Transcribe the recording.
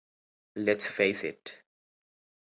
Let’s face it!